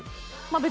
まあ